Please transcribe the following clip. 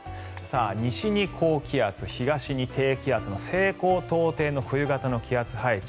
西に高気圧、東に低気圧の西高東低の冬型の気圧配置